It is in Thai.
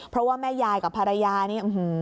เพราะว่าแม่ยายกับภรรยานี่